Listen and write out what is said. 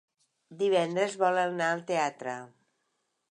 Divendres vol anar al teatre.